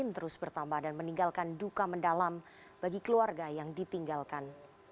terus bertambah dan meninggalkan duka mendalam bagi keluarga yang ditinggalkan